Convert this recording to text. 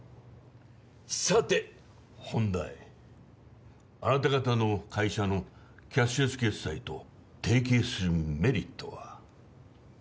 さて本題あなた方の会社のキャッシュレス決済と提携するメリットは？